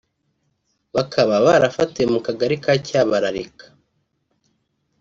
bakaba barafatiwe mu kagari ka Cyabararika